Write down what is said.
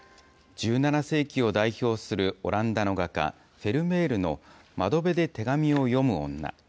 １７世紀を代表するオランダの画家、フェルメールの窓辺で手紙を読む女。